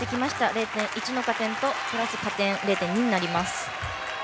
０．１の加点と０．２の加点になります。